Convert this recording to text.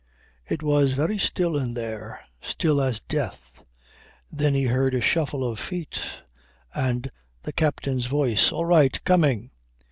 It was very still in there; still as death. Then he heard a shuffle of feet and the captain's voice "All right. Coming."